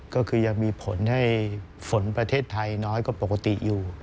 ก็คือยังมีผลให้ฝนประเทศไทยน้อยกว่าปกติอยู่